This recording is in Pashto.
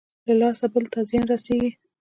له لاسه بل ته زيان رسېږي.